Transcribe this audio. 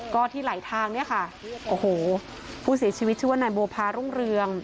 ก็ที่ไหลทางเนี่ยค่ะโอ้โหผู้เสียชีวิตชื่อว่านายบัวพารุ่งเรือง